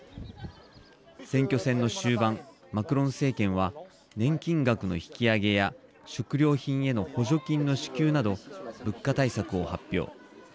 選挙戦の終盤、マクロン政権は年金額の引き上げや食料品への補助金の支給など物価対策を発表。